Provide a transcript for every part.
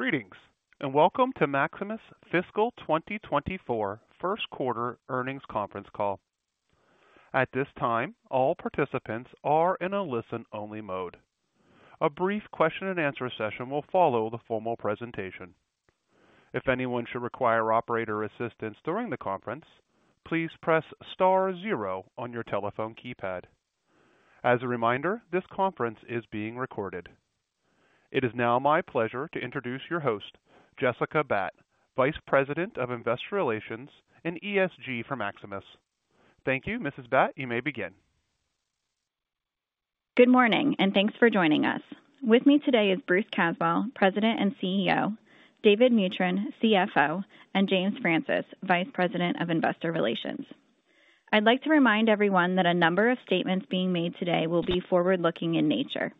Greetings, and welcome to Maximus Fiscal 2024 First Quarter Earnings Conference Call. At this time, all participants are in a listen-only mode. A brief question-and-answer session will follow the formal presentation. If anyone should require operator assistance during the conference, please press star zero on your telephone keypad. As a reminder, this conference is being recorded. It is now my pleasure to introduce your host, Jessica Batt, Vice President of Investor Relations and ESG for Maximus. Thank you, Mrs. Batt. You may begin. Good morning, and thanks for joining us. With me today is Bruce Caswell, President and CEO, David Mutryn, CFO, and James Francis, Vice President of Investor Relations. I'd like to remind everyone that a number of statements being made today will be forward-looking in nature.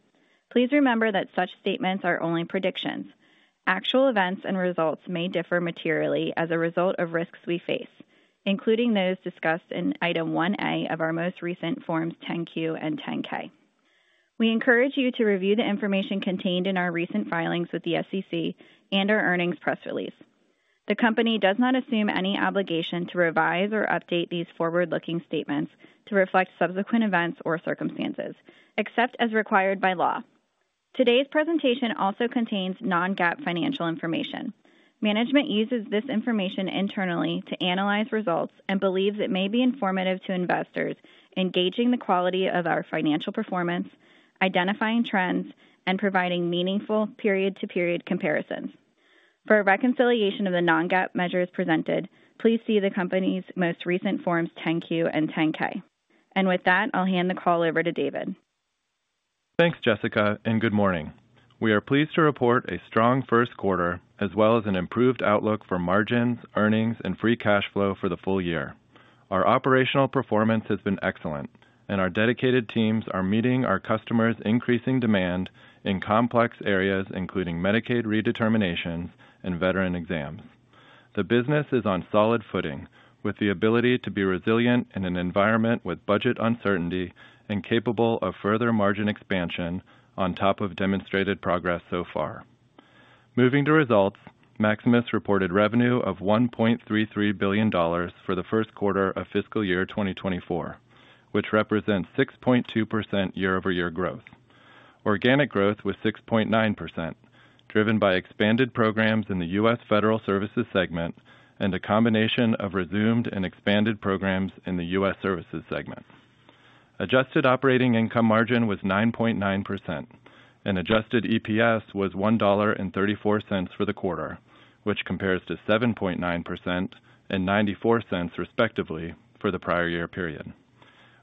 Please remember that such statements are only predictions. Actual events and results may differ materially as a result of risks we face, including those discussed in Item 1A of our most recent Forms 10-Q and 10-K. We encourage you to review the information contained in our recent filings with the SEC and our earnings press release. The company does not assume any obligation to revise or update these forward-looking statements to reflect subsequent events or circumstances, except as required by law. Today's presentation also contains non-GAAP financial information. Management uses this information internally to analyze results and believes it may be informative to investors in gauging the quality of our financial performance, identifying trends, and providing meaningful period-to-period comparisons. For a reconciliation of the non-GAAP measures presented, please see the company's most recent Forms 10-Q and 10-K. With that, I'll hand the call over to David. Thanks, Jessica, and good morning. We are pleased to report a strong first quarter, as well as an improved outlook for margins, earnings, and free cash flow for the full year. Our operational performance has been excellent, and our dedicated teams are meeting our customers' increasing demand in complex areas, including Medicaid redeterminations and veteran exams. The business is on solid footing, with the ability to be resilient in an environment with budget uncertainty and capable of further margin expansion on top of demonstrated progress so far. Moving to results, Maximus reported revenue of $1.33 billion for the first quarter of fiscal year 2024, which represents 6.2% year-over-year growth. Organic growth was 6.9%, driven by expanded programs in the U.S. Federal Services segment and a combination of resumed and expanded programs in the U.S. Services segment. Adjusted operating income margin was 9.9%, and adjusted EPS was $1.34 for the quarter, which compares to 7.9% and $0.94, respectively, for the prior year period.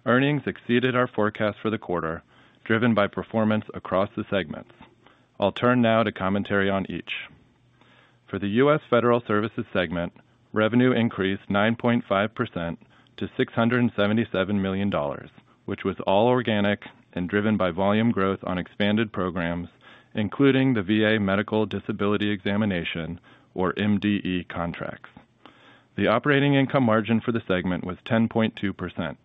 Earnings exceeded our forecast for the quarter, driven by performance across the segments. I'll turn now to commentary on each. For the U.S. Federal Services segment, revenue increased 9.5% to $677 million, which was all organic and driven by volume growth on expanded programs, including the VA Medical Disability Examination, or MDE contracts. The operating income margin for the segment was 10.2%.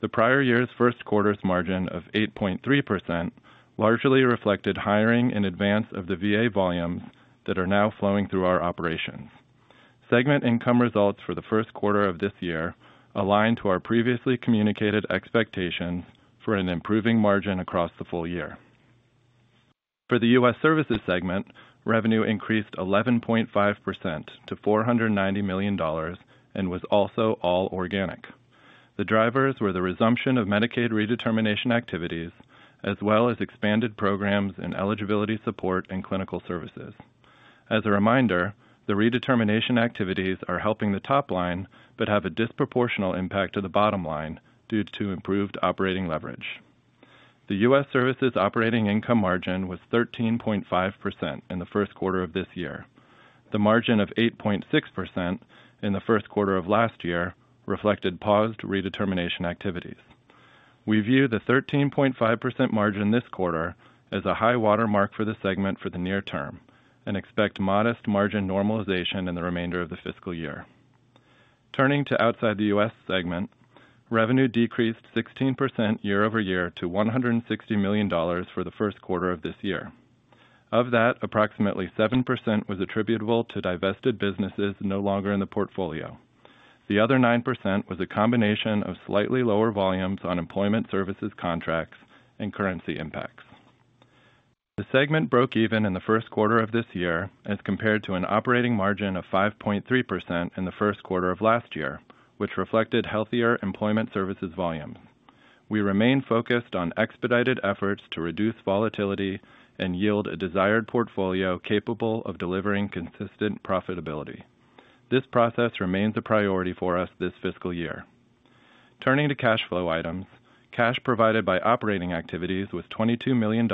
The prior year's first quarter's margin of 8.3% largely reflected hiring in advance of the VA volumes that are now flowing through our operations. Segment income results for the first quarter of this year aligned to our previously communicated expectations for an improving margin across the full year. For the U.S. Services segment, revenue increased 11.5% to $490 million and was also all organic. The drivers were the resumption of Medicaid redetermination activities, as well as expanded programs in eligibility support and clinical services. As a reminder, the redetermination activities are helping the top line but have a disproportional impact to the bottom line due to improved operating leverage. The U.S. Services operating income margin was 13.5% in the first quarter of this year. The margin of 8.6% in the first quarter of last year reflected paused redetermination activities. We view the 13.5% margin this quarter as a high water mark for the segment for the near term and expect modest margin normalization in the remainder of the fiscal year. Turning to Outside the U.S. segment, revenue decreased 16% year-over-year to $160 million for the first quarter of this year. Of that, approximately 7% was attributable to divested businesses no longer in the portfolio. The other 9% was a combination of slightly lower volumes on employment services contracts and currency impacts. The segment broke even in the first quarter of this year as compared to an operating margin of 5.3% in the first quarter of last year, which reflected healthier employment services volumes. We remain focused on expedited efforts to reduce volatility and yield a desired portfolio capable of delivering consistent profitability. This process remains a priority for us this fiscal year. Turning to cash flow items, cash provided by operating activities was $22 million,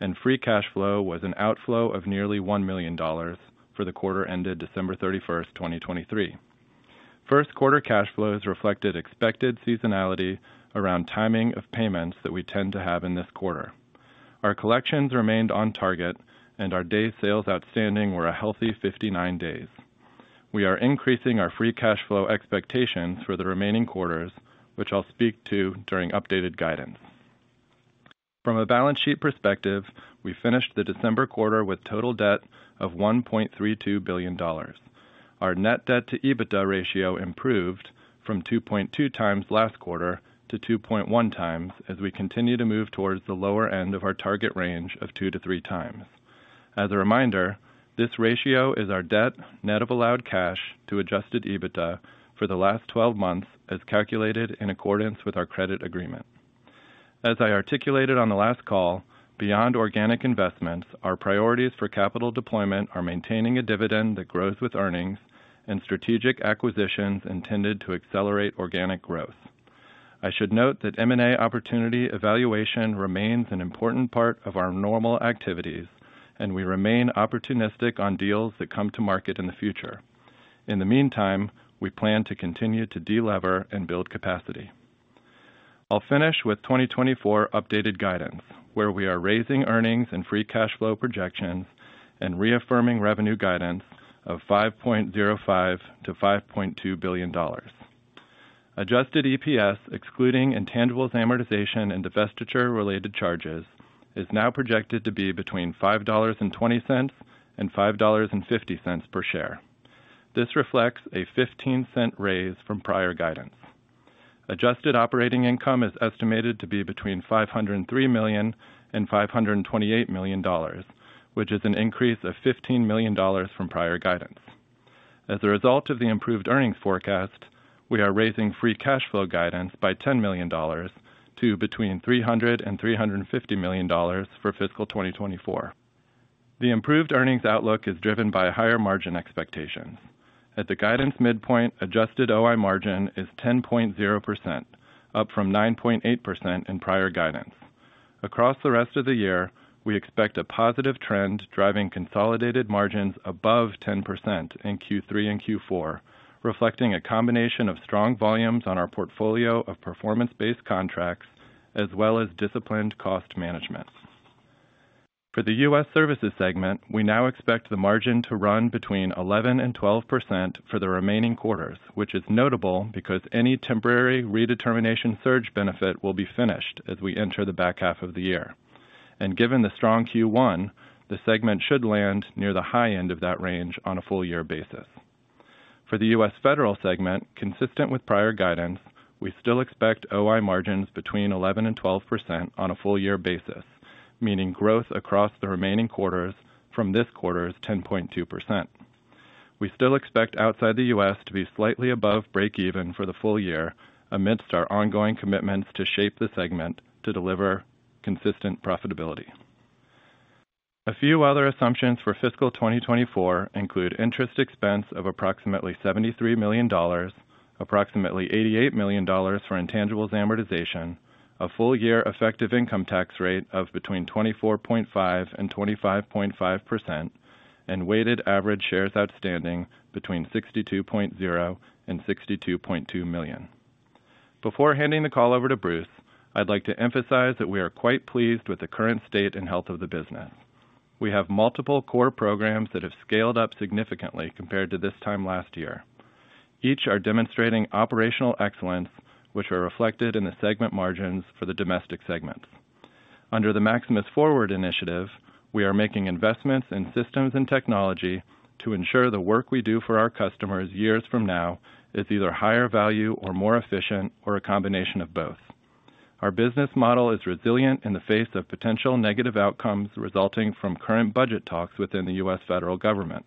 and free cash flow was an outflow of nearly $1 million for the quarter ended December 31, 2023. First quarter cash flows reflected expected seasonality around timing of payments that we tend to have in this quarter. Our collections remained on target, and our days sales outstanding were a healthy 59 days. We are increasing our free cash flow expectations for the remaining quarters, which I'll speak to during updated guidance. From a balance sheet perspective, we finished the December quarter with total debt of $1.32 billion. Our Net Debt to EBITDA ratio improved from 2.2x last quarter to 2.1x, as we continue to move towards the lower end of our target range of 2-3x. As a reminder, this ratio is our debt, net of allowed cash to Adjusted EBITDA for the last 12 months, as calculated in accordance with our credit agreement. As I articulated on the last call, beyond organic investments, our priorities for capital deployment are maintaining a dividend that grows with earnings and strategic acquisitions intended to accelerate organic growth. I should note that M&A opportunity evaluation remains an important part of our normal activities, and we remain opportunistic on deals that come to market in the future. In the meantime, we plan to continue to delever and build capacity. I'll finish with 2024 updated guidance, where we are raising earnings and free cash flow projections and reaffirming revenue guidance of $5.05 billion-$5.2 billion. Adjusted EPS, excluding intangibles amortization and divestiture-related charges, is now projected to be between $5.20 and $5.50 per share. This reflects a 15-cent raise from prior guidance. Adjusted operating income is estimated to be between $503 million and $528 million, which is an increase of $15 million from prior guidance. As a result of the improved earnings forecast, we are raising free cash flow guidance by $10 million to between $300 million and $350 million for fiscal 2024. The improved earnings outlook is driven by higher margin expectations. At the guidance midpoint, adjusted OI margin is 10.0%, up from 9.8% in prior guidance. Across the rest of the year, we expect a positive trend, driving consolidated margins above 10% in Q3 and Q4, reflecting a combination of strong volumes on our portfolio of performance-based contracts, as well as disciplined cost management. For the U.S. Services segment, we now expect the margin to run between 11% and 12% for the remaining quarters, which is notable because any temporary redetermination surge benefit will be finished as we enter the back half of the year. And given the strong Q1, the segment should land near the high end of that range on a full year basis. For the U.S. Federal segment, consistent with prior guidance, we still expect OI margins between 11%-12% on a full year basis, meaning growth across the remaining quarters from this quarter's 10.2%. We still expect Outside the U.S. to be slightly above breakeven for the full year, amidst our ongoing commitments to shape the segment to deliver consistent profitability. A few other assumptions for fiscal 2024 include interest expense of approximately $73 million, approximately $88 million for intangibles amortization, a full-year effective income tax rate of between 24.5%-25.5%, and weighted average shares outstanding between 62.0 million-62.2 million. Before handing the call over to Bruce, I'd like to emphasize that we are quite pleased with the current state and health of the business. We have multiple core programs that have scaled up significantly compared to this time last year. Each are demonstrating operational excellence, which are reflected in the segment margins for the domestic segments. Under the Maximus Forward initiative, we are making investments in systems and technology to ensure the work we do for our customers years from now is either higher value or more efficient, or a combination of both. Our business model is resilient in the face of potential negative outcomes resulting from current budget talks within the U.S. Federal government.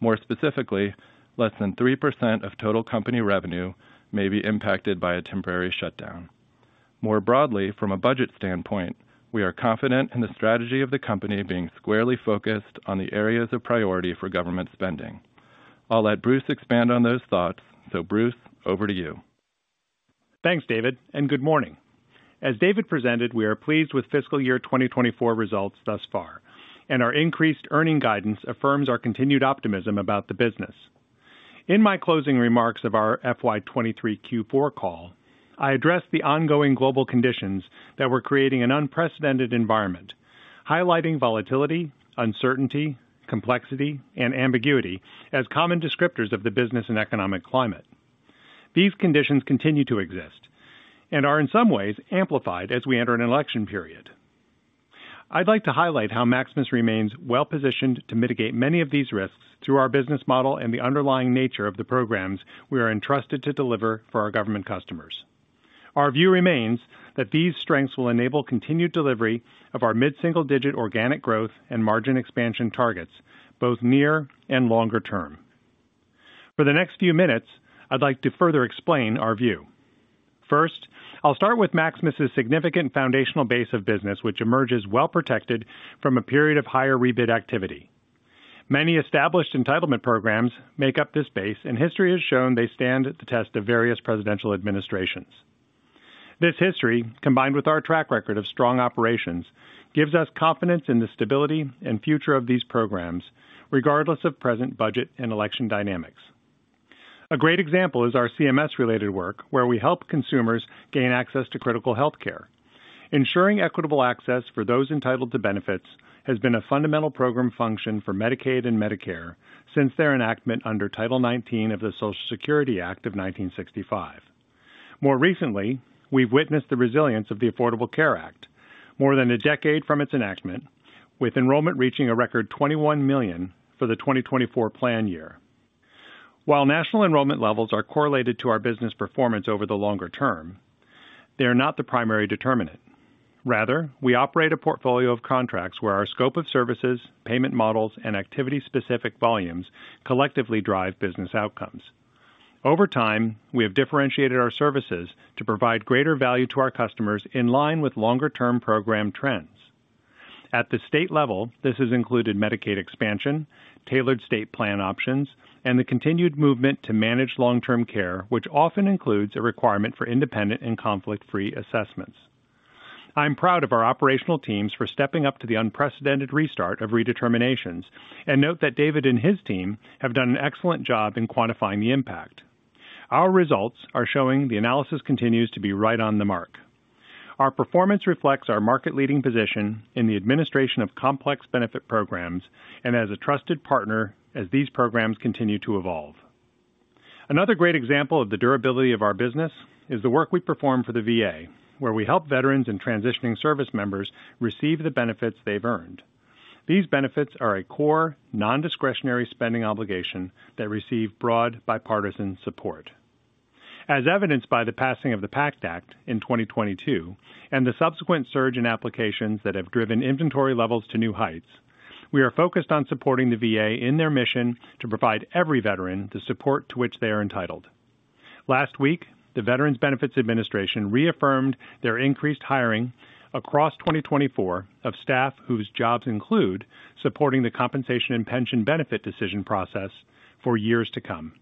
More specifically, less than 3% of total company revenue may be impacted by a temporary shutdown. More broadly, from a budget standpoint, we are confident in the strategy of the company being squarely focused on the areas of priority for government spending. I'll let Bruce expand on those thoughts. So Bruce, over to you. Thanks, David, and good morning. As David presented, we are pleased with fiscal year 2024 results thus far, and our increased earning guidance affirms our continued optimism about the business. In my closing remarks of our FY-2023 Q4 call, I addressed the ongoing global conditions that were creating an unprecedented environment, highlighting volatility, uncertainty, complexity, and ambiguity as common descriptors of the business and economic climate. These conditions continue to exist and are in some ways amplified as we enter an election period. I'd like to highlight how Maximus remains well-positioned to mitigate many of these risks through our business model and the underlying nature of the programs we are entrusted to deliver for our government customers. Our view remains that these strengths will enable continued delivery of our mid-single-digit organic growth and margin expansion targets, both near and longer term. For the next few minutes, I'd like to further explain our view. First, I'll start with Maximus's significant foundational base of business, which emerges well protected from a period of higher rebid activity. Many established entitlement programs make up this base, and history has shown they stand the test of various presidential administrations. This history, combined with our track record of strong operations, gives us confidence in the stability and future of these programs, regardless of present budget and election dynamics. A great example is our CMS-related work, where we help consumers gain access to critical healthcare. Ensuring equitable access for those entitled to benefits has been a fundamental program function for Medicaid and Medicare since their enactment under Title XIX of the Social Security Act of 1965. More recently, we've witnessed the resilience of the Affordable Care Act, more than a decade from its enactment, with enrollment reaching a record 21 million for the 2024 plan year. While national enrollment levels are correlated to our business performance over the longer term, they are not the primary determinant. Rather, we operate a portfolio of contracts where our scope of services, payment models, and activity-specific volumes collectively drive business outcomes. Over time, we have differentiated our services to provide greater value to our customers in line with longer-term program trends. At the state level, this has included Medicaid expansion, tailored state plan options, and the continued movement to manage long-term care, which often includes a requirement for independent and conflict-free assessments. I'm proud of our operational teams for stepping up to the unprecedented restart of redeterminations, and note that David and his team have done an excellent job in quantifying the impact. Our results are showing the analysis continues to be right on the mark. Our performance reflects our market-leading position in the administration of complex benefit programs and as a trusted partner as these programs continue to evolve. Another great example of the durability of our business is the work we perform for the VA, where we help veterans and transitioning service members receive the benefits they've earned. These benefits are a core, non-discretionary spending obligation that receive broad bipartisan support. As evidenced by the passing of the PACT Act in 2022 and the subsequent surge in applications that have driven inventory levels to new heights, we are focused on supporting the VA in their mission to provide every veteran the support to which they are entitled. Last week, the Veterans Benefits Administration reaffirmed their increased hiring across 2024 of staff, whose jobs include supporting the compensation and pension benefit decision process for years to come.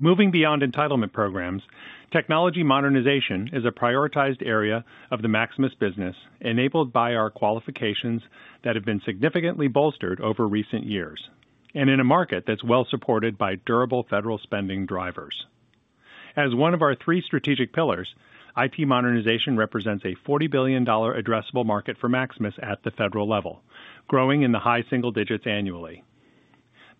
Moving beyond entitlement programs, technology modernization is a prioritized area of the Maximus business, enabled by our qualifications that have been significantly bolstered over recent years, and in a market that's well supported by durable federal spending drivers. As one of our three strategic pillars, IT modernization represents a $40 billion addressable market for Maximus at the federal level, growing in the high single digits annually.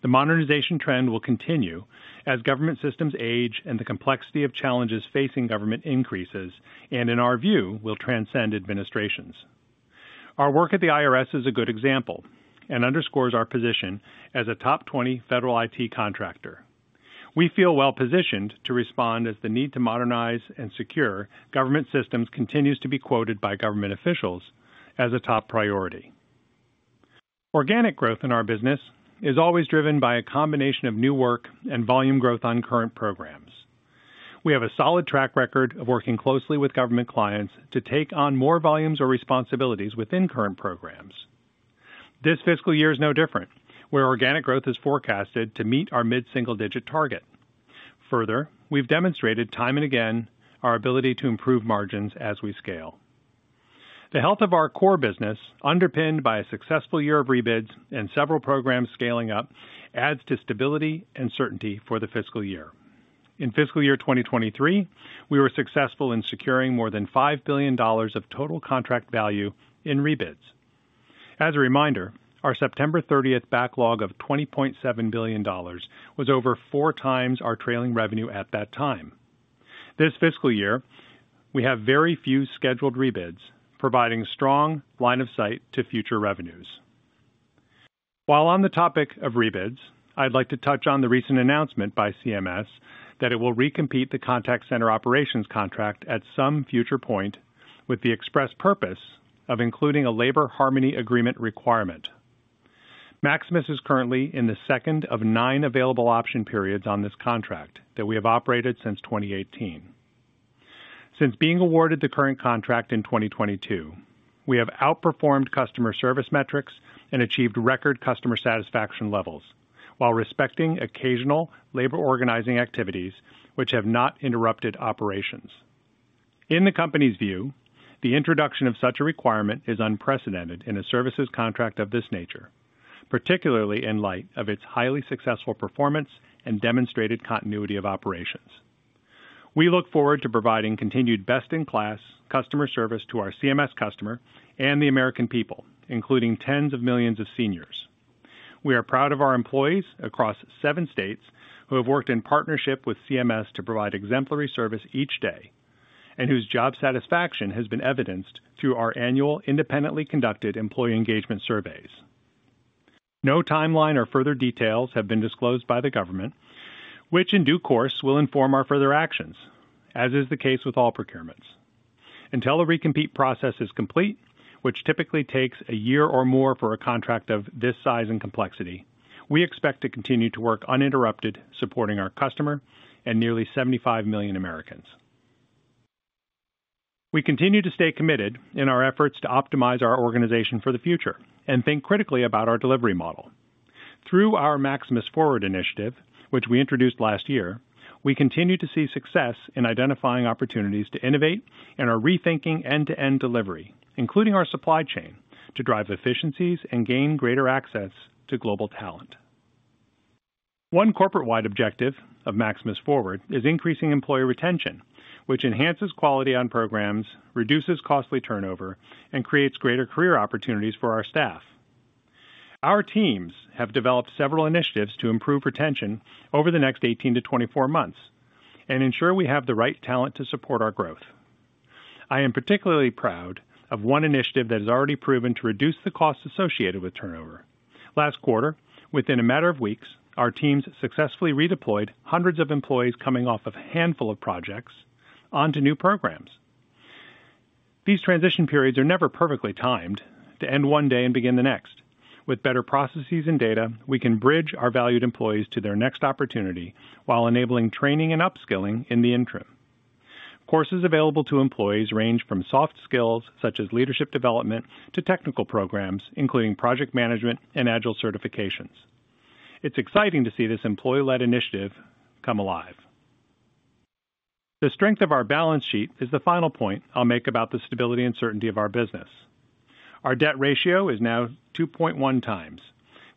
The modernization trend will continue as government systems age and the complexity of challenges facing government increases and, in our view, will transcend administrations. Our work at the IRS is a good example and underscores our position as a top 20 federal IT contractor. We feel well-positioned to respond as the need to modernize and secure government systems continues to be quoted by government officials as a top priority. Organic growth in our business is always driven by a combination of new work and volume growth on current programs. We have a solid track record of working closely with government clients to take on more volumes or responsibilities within current programs. This fiscal year is no different, where organic growth is forecasted to meet our mid-single-digit target. Further, we've demonstrated time and again our ability to improve margins as we scale. The health of our core business, underpinned by a successful year of rebids and several programs scaling up, adds to stability and certainty for the fiscal year. In fiscal year 2023, we were successful in securing more than $5 billion of total contract value in rebids. As a reminder, our September 30th backlog of $20.7 billion was over 4x our trailing revenue at that time. This fiscal year, we have very few scheduled rebids, providing strong line of sight to future revenues. While on the topic of rebids, I'd like to touch on the recent announcement by CMS that it will recompete the Contact Center Operations contract at some future point, with the express purpose of including a labor harmony agreement requirement. Maximus is currently in the second of nine available option periods on this contract that we have operated since 2018. Since being awarded the current contract in 2022, we have outperformed customer service metrics and achieved record customer satisfaction levels while respecting occasional labor organizing activities which have not interrupted operations. In the company's view, the introduction of such a requirement is unprecedented in a services contract of this nature, particularly in light of its highly successful performance and demonstrated continuity of operations. We look forward to providing continued best-in-class customer service to our CMS customer and the American people, including tens of millions of seniors. We are proud of our employees across seven states who have worked in partnership with CMS to provide exemplary service each day, and whose job satisfaction has been evidenced through our annual independently conducted employee engagement surveys. No timeline or further details have been disclosed by the government, which in due course, will inform our further actions, as is the case with all procurements. Until the recompete process is complete, which typically takes a year or more for a contract of this size and complexity, we expect to continue to work uninterrupted, supporting our customer and nearly 75 million Americans. We continue to stay committed in our efforts to optimize our organization for the future and think critically about our delivery model. Through our Maximus Forward initiative, which we introduced last year, we continue to see success in identifying opportunities to innovate and are rethinking end-to-end delivery, including our supply chain, to drive efficiencies and gain greater access to global talent. One corporate-wide objective of Maximus Forward is increasing employee retention, which enhances quality on programs, reduces costly turnover, and creates greater career opportunities for our staff. Our teams have developed several initiatives to improve retention over the next 18-24 months and ensure we have the right talent to support our growth. I am particularly proud of one initiative that has already proven to reduce the costs associated with turnover. Last quarter, within a matter of weeks, our teams successfully redeployed hundreds of employees coming off of a handful of projects onto new programs. These transition periods are never perfectly timed to end one day and begin the next. With better processes and data, we can bridge our valued employees to their next opportunity, while enabling training and upskilling in the interim. Courses available to employees range from soft skills, such as leadership development, to technical programs, including project management and Agile certifications. It's exciting to see this employee-led initiative come alive. The strength of our balance sheet is the final point I'll make about the stability and certainty of our business. Our debt ratio is now 2.1x,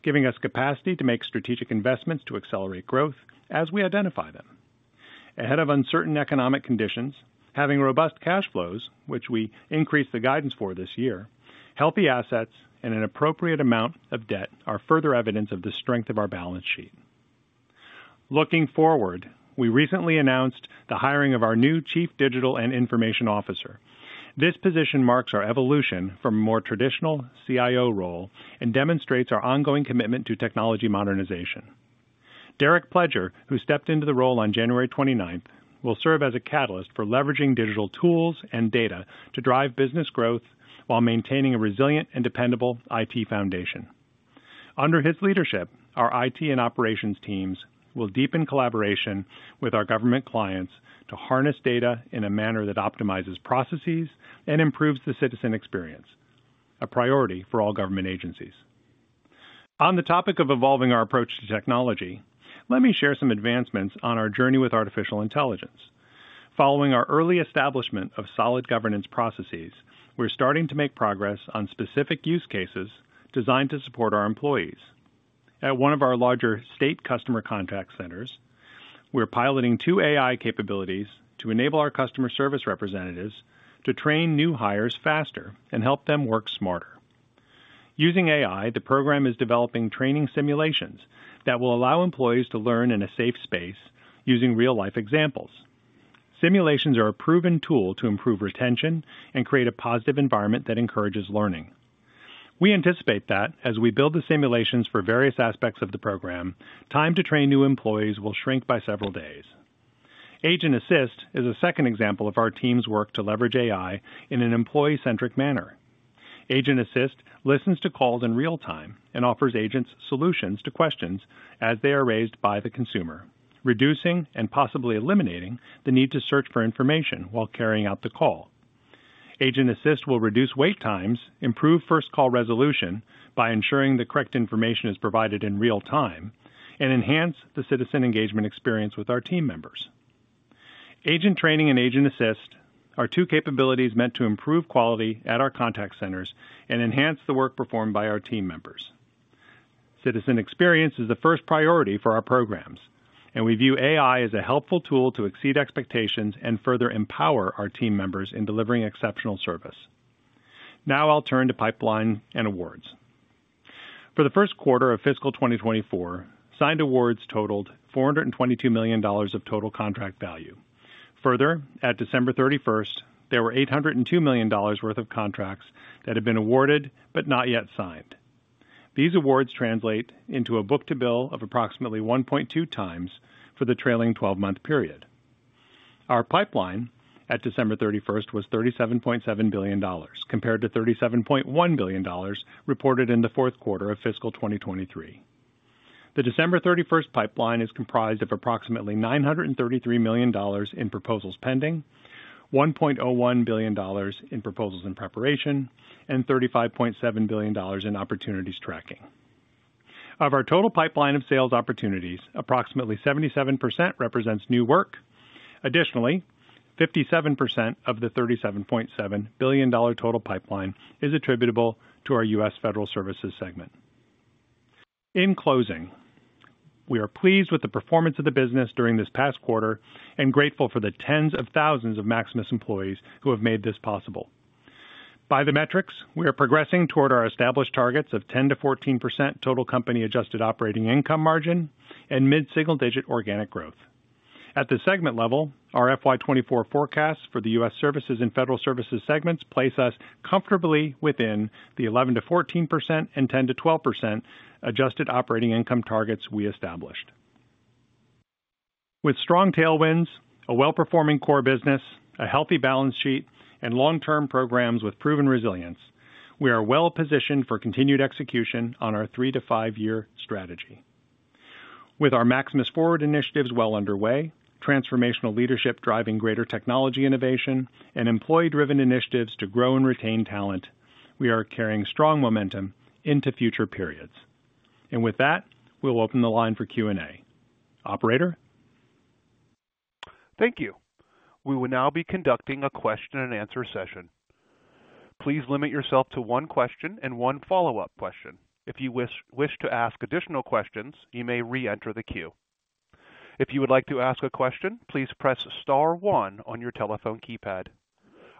giving us capacity to make strategic investments to accelerate growth as we identify them. Ahead of uncertain economic conditions, having robust cash flows, which we increased the guidance for this year, healthy assets and an appropriate amount of debt are further evidence of the strength of our balance sheet. Looking forward, we recently announced the hiring of our new Chief Digital and Information Officer. This position marks our evolution from a more traditional CIO role and demonstrates our ongoing commitment to technology modernization. Derrick Pledger, who stepped into the role on January twenty-ninth, will serve as a catalyst for leveraging digital tools and data to drive business growth while maintaining a resilient and dependable IT foundation. Under his leadership, our IT and operations teams will deepen collaboration with our government clients to harness data in a manner that optimizes processes and improves the citizen experience, a priority for all government agencies. On the topic of evolving our approach to technology, let me share some advancements on our journey with artificial intelligence. Following our early establishment of solid governance processes, we're starting to make progress on specific use cases designed to support our employees. At one of our larger state customer contact centers, we're piloting two AI capabilities to enable our customer service representatives to train new hires faster and help them work smarter. Using AI, the program is developing training simulations that will allow employees to learn in a safe space using real-life examples. Simulations are a proven tool to improve retention and create a positive environment that encourages learning. We anticipate that as we build the simulations for various aspects of the program, time to train new employees will shrink by several days. Agent Assist is a second example of our team's work to leverage AI in an employee-centric manner. Agent Assist listens to calls in real time and offers agents solutions to questions as they are raised by the consumer, reducing and possibly eliminating the need to search for information while carrying out the call. Agent Assist will reduce wait times, improve first call resolution by ensuring the correct information is provided in real time, and enhance the citizen engagement experience with our team members. Agent training and Agent Assist are two capabilities meant to improve quality at our contact centers and enhance the work performed by our team members. Citizen experience is the first priority for our programs, and we view AI as a helpful tool to exceed expectations and further empower our team members in delivering exceptional service. Now I'll turn to pipeline and awards. For the first quarter of fiscal 2024, signed awards totaled $422 million of total contract value. Further, at December 31, there were $802 million worth of contracts that had been awarded but not yet signed. These awards translate into a book-to-bill of approximately 1.2x for the trailing twelve-month period. Our pipeline at December 31 was $37.7 billion, compared to $37.1 billion reported in the fourth quarter of fiscal 2023. The December 31st pipeline is comprised of approximately $933 million in proposals pending, $1.01 billion in proposals in preparation, and $35.7 billion in opportunities tracking. Of our total pipeline of sales opportunities, approximately 77% represents new work. Additionally, 57% of the $37.7 billion total pipeline is attributable to our U.S. Federal Services segment. In closing, we are pleased with the performance of the business during this past quarter and grateful for the tens of thousands of Maximus employees who have made this possible. By the metrics, we are progressing toward our established targets of 10%-14% total company adjusted operating income margin and mid-single-digit organic growth. At the segment level, our FY 2024 forecasts for the U.S. Services and Federal Services segments place us comfortably within the 11%-14% and 10%-12% adjusted operating income targets we established. With strong tailwinds, a well-performing core business, a healthy balance sheet, and long-term programs with proven resilience, we are well positioned for continued execution on our 3- to 5-year strategy. With our Maximus Forward initiatives well underway, transformational leadership driving greater technology, innovation, and employee-driven initiatives to grow and retain talent, we are carrying strong momentum into future periods. And with that, we'll open the line for Q&A. Operator? Thank you. We will now be conducting a question and answer session. Please limit yourself to one question and one follow-up question. If you wish to ask additional questions, you may reenter the queue. If you would like to ask a question, please press star one on your telephone keypad.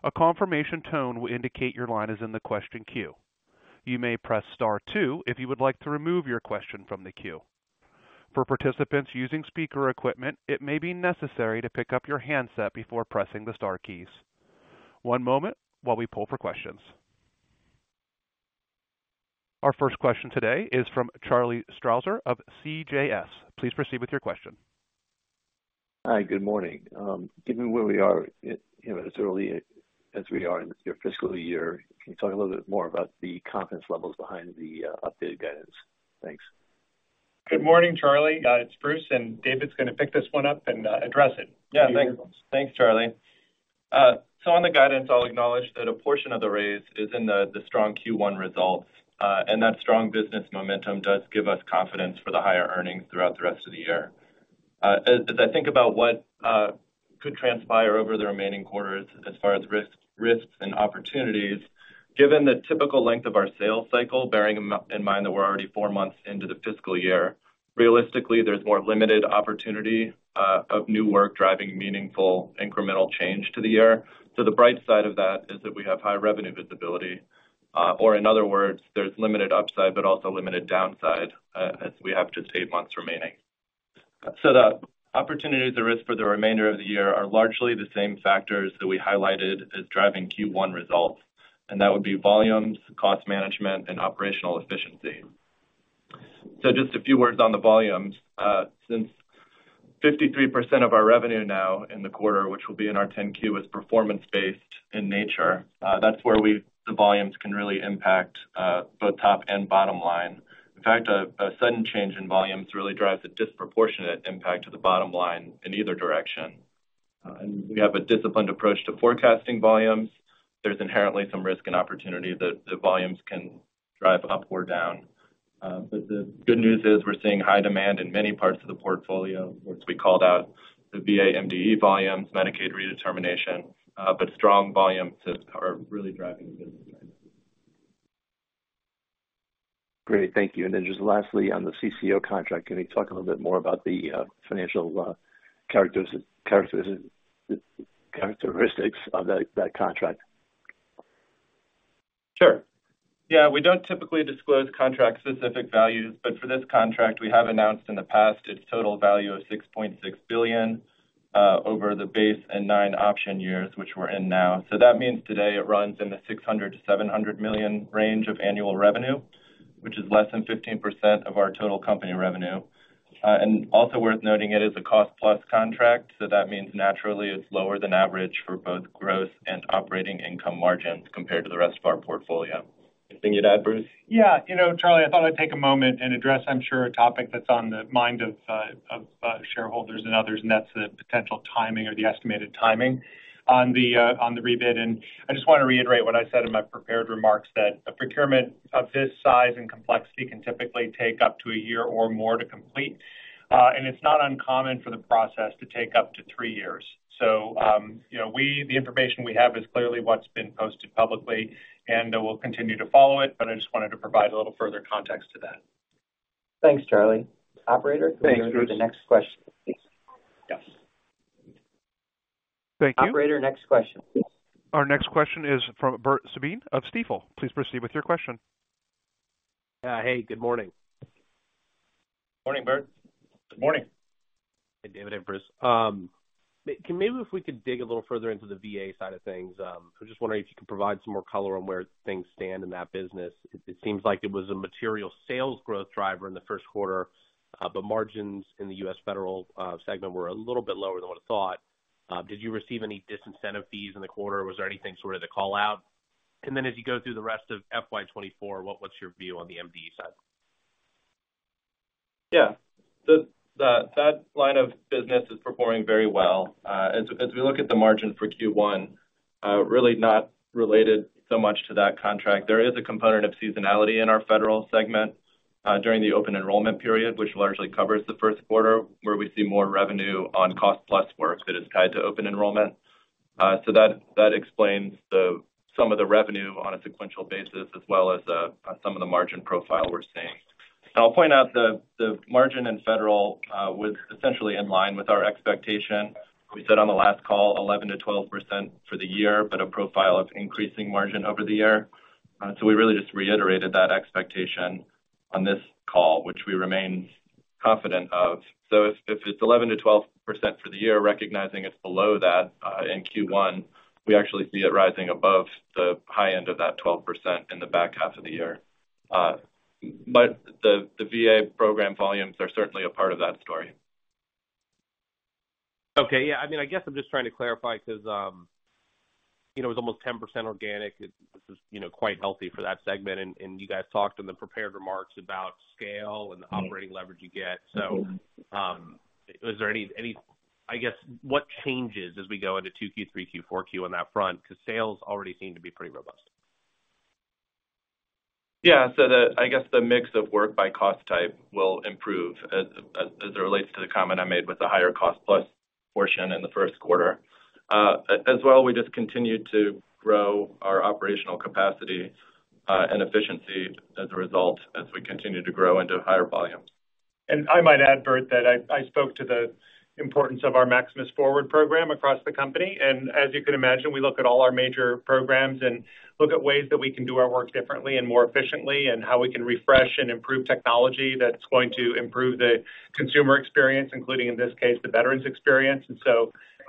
A confirmation tone will indicate your line is in the question queue. You may press star two if you would like to remove your question from the queue. For participants using speaker equipment, it may be necessary to pick up your handset before pressing the star keys. One moment while we pull for questions. Our first question today is from Charlie Strauzer of CJS. Please proceed with your question. Hi, good morning. Given where we are, you know, as early as we are in your fiscal year, can you talk a little bit more about the confidence levels behind the updated guidance? Thanks. Good morning, Charlie. It's Bruce, and David's gonna pick this one up and address it. Yeah. Thanks. Thanks, Charlie. So on the guidance, I'll acknowledge that a portion of the raise is in the strong Q1 results, and that strong business momentum does give us confidence for the higher earnings throughout the rest of the year. As I think about what could transpire over the remaining quarters as far as risks and opportunities, given the typical length of our sales cycle, bearing in mind that we're already four months into the fiscal year, realistically, there's more limited opportunity of new work driving meaningful incremental change to the year. So the bright side of that is that we have high revenue visibility, or in other words, there's limited upside, but also limited downside, as we have just eight months remaining. So the opportunities or risks for the remainder of the year are largely the same factors that we highlighted as driving Q1 results, and that would be volumes, cost management, and operational efficiency. So just a few words on the volumes. Since 53% of our revenue now in the quarter, which will be in our 10-Q, is performance-based in nature, that's where we, the volumes can really impact both top and bottom line. In fact, a sudden change in volumes really drives a disproportionate impact to the bottom line in either direction. And we have a disciplined approach to forecasting volumes. There's inherently some risk and opportunity that the volumes can drive up or down. But the good news is we're seeing high demand in many parts of the portfolio, which we called out, the VA MDE volumes, Medicaid redetermination, but strong volumes are really driving the business. Great. Thank you. And then just lastly, on the CCO contract, can you talk a little bit more about the financial characteristics of that contract? Sure. Yeah, we don't typically disclose contract-specific values, but for this contract, we have announced in the past its total value of $6.6 billion over the base and 9 option years, which we're in now. So that means today it runs in the $600 million-$700 million range of annual revenue, which is less than 15% of our total company revenue. And also worth noting, it is a cost-plus contract, so that means naturally it's lower than average for both growth and operating income margins compared to the rest of our portfolio. Anything you'd add, Bruce? Yeah. You know, Charlie, I thought I'd take a moment and address, I'm sure, a topic that's on the mind of shareholders and others, and that's the potential timing or the estimated timing on the rebid. I just want to reiterate what I said in my prepared remarks, that a procurement of this size and complexity can typically take up to a year or more to complete, and it's not uncommon for the process to take up to three years. So, you know, the information we have is clearly what's been posted publicly, and we'll continue to follow it, but I just wanted to provide a little further context to that. Thanks, Charlie. Operator- Thanks, Bruce. Can we go to the next question, please? Yes. Thank you. Operator, next question, please. Our next question is from Bert Subin of Stifel. Please proceed with your question. Hey, good morning. Morning, Bert. Good morning. Hey, David and Bruce. Maybe if we could dig a little further into the VA side of things. I was just wondering if you could provide some more color on where things stand in that business. It seems like it was a material sales growth driver in the first quarter, but margins in the U.S. Federal segment were a little bit lower than I would've thought. Did you receive any disincentive fees in the quarter, or was there anything sort of to call out? And then as you go through the rest of FY 2024, what's your view on the MDE side? Yeah. That line of business is performing very well. As we look at the margin for Q1, really not related so much to that contract. There is a component of seasonality in our federal segment during the open enrollment period, which largely covers the first quarter, where we see more revenue on cost-plus work that is tied to open enrollment. So that explains some of the revenue on a sequential basis, as well as some of the margin profile we're seeing. I'll point out the margin in federal was essentially in line with our expectation. We said on the last call, 11%-12% for the year, but a profile of increasing margin over the year. So we really just reiterated that expectation on this call, which we remain confident of. If it's 11%-12% for the year, recognizing it's below that in Q1, we actually see it rising above the high end of that 12% in the back half of the year. But the VA program volumes are certainly a part of that story. Okay. Yeah, I mean, I guess I'm just trying to clarify because, you know, it was almost 10% organic. It is, you know, quite healthy for that segment, and you guys talked in the prepared remarks about scale and the operating leverage you get. So, is there any, any... I guess, what changes as we go into 2Q, 3Q, 4Q on that front? Because sales already seem to be pretty robust. Yeah. So, I guess the mix of work by cost type will improve as it relates to the comment I made with the higher cost-plus portion in the first quarter. As well, we just continued to grow our operational capacity and efficiency as a result, as we continue to grow into higher volumes. And I might add, Bert, that I spoke to the importance of our Maximus Forward program across the company, and as you can imagine, we look at all our major programs and look at ways that we can do our work differently and more efficiently, and how we can refresh and improve technology that's going to improve the consumer experience, including, in this case, the veterans experience. And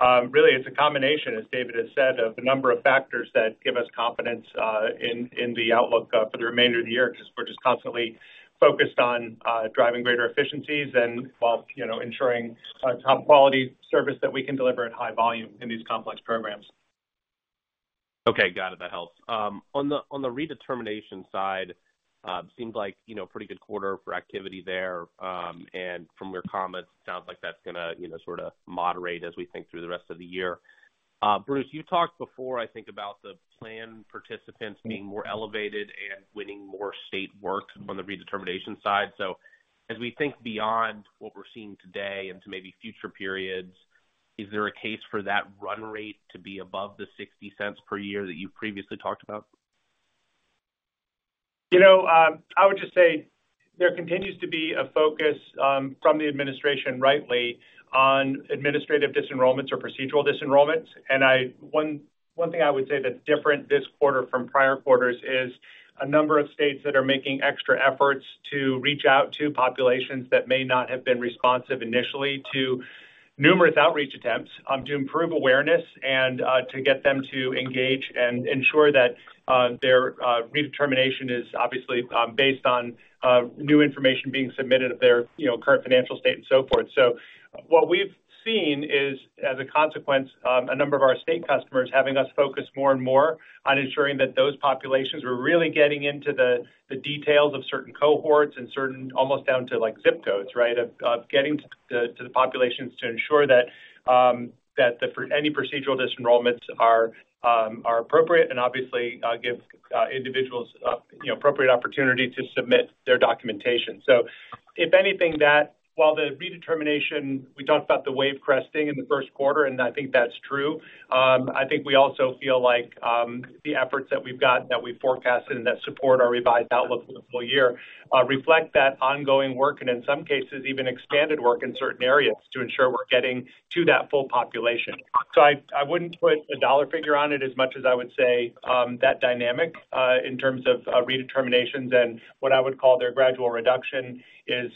so, really, it's a combination, as David has said, of a number of factors that give us confidence in the outlook for the remainder of the year, 'cause we're just constantly focused on driving greater efficiencies and, well, you know, ensuring top quality service that we can deliver at high volume in these complex programs. Okay, got it. That helps. On the redetermination side, seems like, you know, pretty good quarter for activity there, and from your comments, it sounds like that's gonna, you know, sorta moderate as we think through the rest of the year. Bruce, you talked before, I think, about the plan participants being more elevated and winning more state work on the redetermination side. So as we think beyond what we're seeing today into maybe future periods, is there a case for that run rate to be above the $0.60 per year that you previously talked about? You know, I would just say there continues to be a focus from the administration, rightly, on administrative disenrollments or procedural disenrollments. One thing I would say that's different this quarter from prior quarters is a number of states that are making extra efforts to reach out to populations that may not have been responsive initially to numerous outreach attempts to improve awareness and to get them to engage and ensure that their redetermination is obviously based on new information being submitted of their, you know, current financial state and so forth. So what we've seen is, as a consequence, a number of our state customers having us focus more and more on ensuring that those populations, we're really getting into the details of certain cohorts and certain—almost down to, like, zip codes, right? Of getting to the populations to ensure that any procedural disenrollments are appropriate and obviously give individuals you know appropriate opportunity to submit their documentation. So if anything, that while the redetermination we talked about the wave cresting in the first quarter, and I think that's true, I think we also feel like the efforts that we've got that we've forecasted and that support our revised outlook for the full year reflect that ongoing work, and in some cases, even expanded work in certain areas to ensure we're getting to that full population. So I wouldn't put a dollar figure on it as much as I would say that dynamic in terms of redeterminations and what I would call their gradual reduction is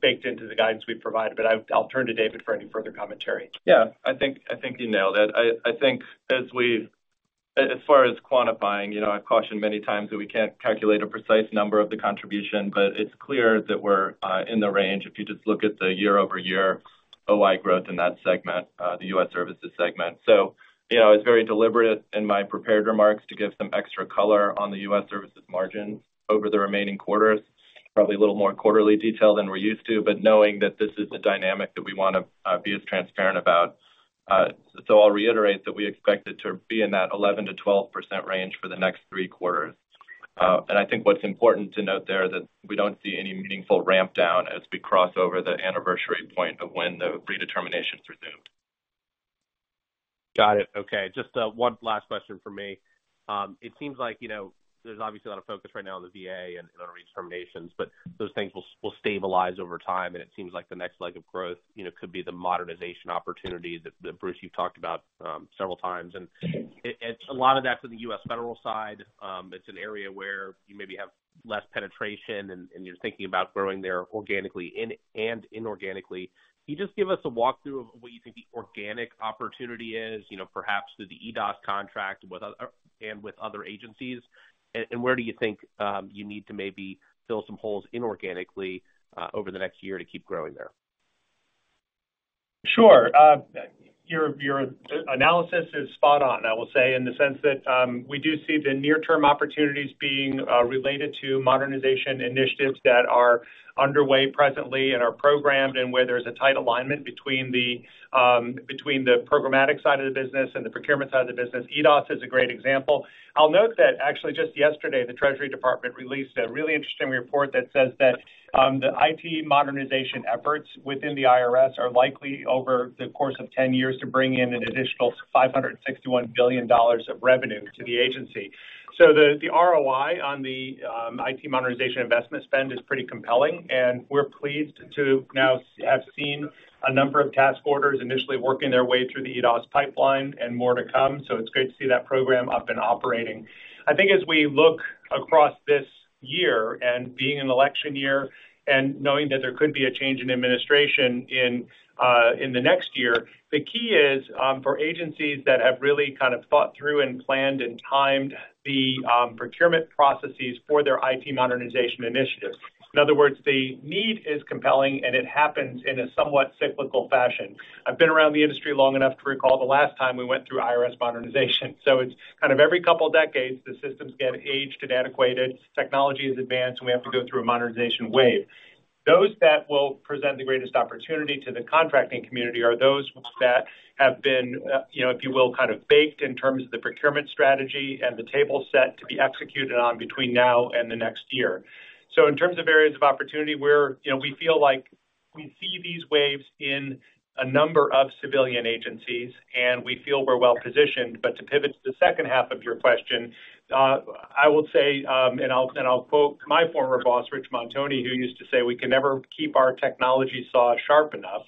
baked into the guidance we've provided. But I'll turn to David for any further commentary. Yeah, I think you nailed it. I think as far as quantifying, you know, I've cautioned many times that we can't calculate a precise number of the contribution, but it's clear that we're in the range, if you just look at the year-over-year OI growth in that segment, the U.S. services segment. So you know, it's very deliberate in my prepared remarks to give some extra color on the U.S. services margin over the remaining quarters. Probably a little more quarterly detail than we're used to, but knowing that this is the dynamic that we wanna be as transparent about. So I'll reiterate that we expect it to be in that 11%-12% range for the next three quarters. I think what's important to note there, that we don't see any meaningful ramp down as we cross over the anniversary point of when the redeterminations resumed. Got it. Okay, just one last question from me. It seems like, you know, there's obviously a lot of focus right now on the VA and on redeterminations, but those things will stabilize over time, and it seems like the next leg of growth, you know, could be the modernization opportunity that Bruce you've talked about several times. And it's a lot of that's on the U.S. federal side. It's an area where you maybe have less penetration, and you're thinking about growing there organically and inorganically. Can you just give us a walkthrough of what you think the organic opportunity is, you know, perhaps through the EDOS contract with other agencies? And where do you think you need to maybe fill some holes inorganically over the next year to keep growing there? Sure. Your analysis is spot on, I will say, in the sense that, we do see the near-term opportunities being related to modernization initiatives that are underway presently and are programmed, and where there's a tight alignment between the, between the programmatic side of the business and the procurement side of the business. EDOS is a great example. I'll note that actually, just yesterday, the Treasury Department released a really interesting report that says that, the IT modernization efforts within the IRS are likely, over the course of 10 years, to bring in an additional $561 billion of revenue to the agency. So the ROI on the IT modernization investment spend is pretty compelling, and we're pleased to now have seen a number of task orders initially working their way through the EDOS pipeline and more to come. So it's great to see that program up and operating. I think as we look across this year, and being an election year, and knowing that there could be a change in administration in, in the next year, the key is, for agencies that have really kind of thought through and planned and timed the, procurement processes for their IT modernization initiative. In other words, the need is compelling, and it happens in a somewhat cyclical fashion. I've been around the industry long enough to recall the last time we went through IRS modernization. So it's kind of every couple of decades, the systems get aged and antiquated, technology has advanced, and we have to go through a modernization wave. Those that will present the greatest opportunity to the contracting community are those that-... have been, you know, if you will, kind of, baked in terms of the procurement strategy and the table set to be executed on between now and the next year. So in terms of areas of opportunity, we're, you know, we feel like we see these waves in a number of civilian agencies, and we feel we're well-positioned. But to pivot to the second half of your question, I would say, and I'll, and I'll quote my former boss, Rich Montoni, who used to say, "We can never keep our technology saw sharp enough,"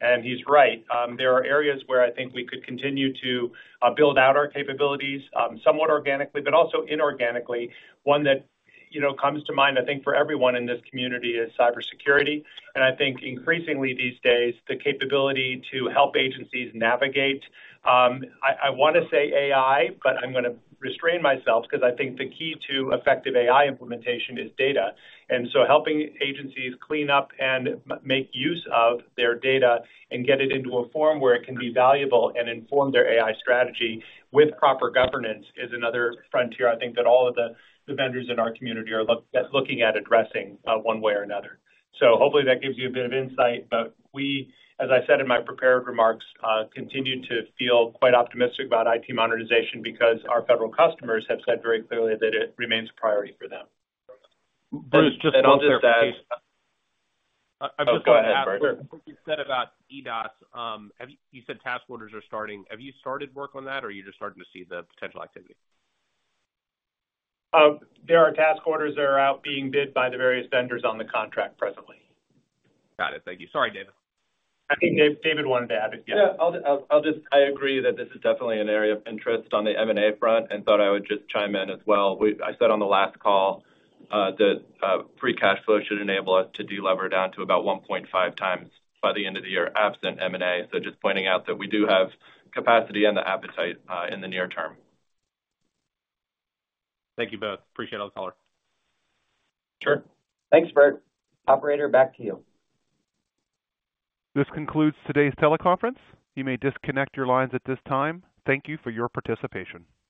and he's right. There are areas where I think we could continue to build out our capabilities, somewhat organically, but also inorganically. One that, you know, comes to mind, I think, for everyone in this community is cybersecurity. And I think increasingly these days, the capability to help agencies navigate, I wanna say AI, but I'm gonna restrain myself because I think the key to effective AI implementation is data. And so helping agencies clean up and make use of their data and get it into a form where it can be valuable and inform their AI strategy with proper governance is another frontier, I think, that all of the vendors in our community are looking at addressing, one way or another. So hopefully that gives you a bit of insight. But we, as I said in my prepared remarks, continue to feel quite optimistic about IT monetization because our federal customers have said very clearly that it remains a priority for them. Bruce, just one- And I'll just add- Oh, go ahead, Bert. I'm just gonna ask, what you said about EDOS. You said task orders are starting. Have you started work on that, or are you just starting to see the potential activity? There are task orders that are out being bid by the various vendors on the contract presently. Got it. Thank you. Sorry, David. I think Dave- David wanted to add it. Yeah. Yeah, I'll just... I agree that this is definitely an area of interest on the M&A front, and thought I would just chime in as well. We—I said on the last call that free cash flow should enable us to delever down to about 1.5x by the end of the year, absent M&A. So just pointing out that we do have capacity and the appetite in the near term. Thank you both. Appreciate all the color. Sure. Thanks, Bert. Operator, back to you. This concludes today's teleconference. You may disconnect your lines at this time. Thank you for your participation.